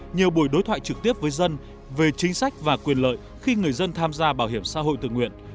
nhiều buổi đối thoại trực tiếp với dân về chính sách và quyền lợi khi người dân tham gia bảo hiểm xã hội tự nguyện